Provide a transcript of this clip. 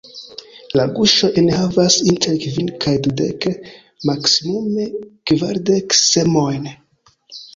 La guŝoj enhavas inter kvin kaj dudek, maksimume kvardek semojn.